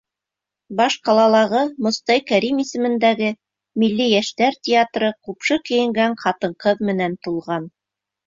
Баш ҡалалағы Мостай Кәрим исемендәге Милли йәштәр театры ҡупшы кейенгән ҡатын-ҡыҙ менән тулған.